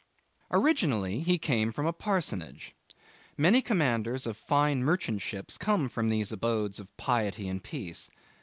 Originally he came from a parsonage. Many commanders of fine merchant ships come from these abodes of piety and peace.